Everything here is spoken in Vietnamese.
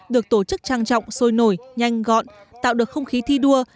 được tổ chức trang trọng sôi nổi nhanh gọn tạo được không khí thi đua